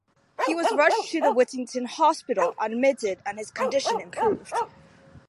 He was rushed to the Whittington Hospital, admitted, and his condition improved.